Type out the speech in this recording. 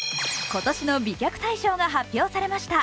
今年の美脚大賞が発表されました。